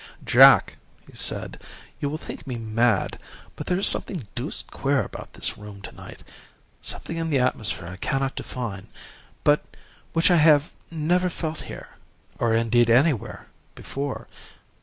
"'Jack,' he said, 'you will think me mad, but there is something deuced queer about this room to night something in the atmosphere I cannot define, but which I have never felt here or indeed anywhere before.